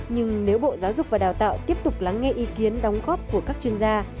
nhưng nếu bộ giáo dục và đào tạo tiếp tục lắng nghe ý kiến đóng góp của các chuyên gia